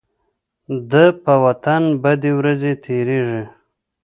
د په وطن بدې ورځې تيريږي.